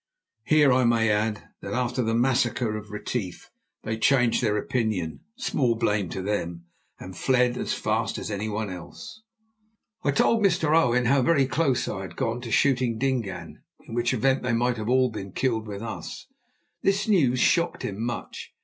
Here I may add that after the massacre of Retief they changed their opinion, small blame to them, and fled as fast as anyone else. I told Mr. Owen how very close I had gone to shooting Dingaan, in which event they might all have been killed with us. This news shocked him much.